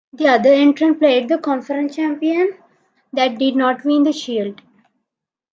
The other entrant played the conference champion that did not win the Shield.